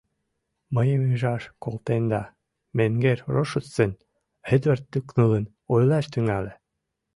— Мыйым ӱжаш колтенда, менгер Рошуссен, — Эдвард тӱкнылын ойлаш тӱҥале.